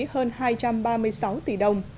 hơn hai trăm ba mươi sáu tỷ đồng